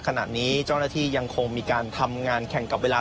ขณะนี้เจ้าหน้าที่ยังคงมีการทำงานแข่งกับเวลา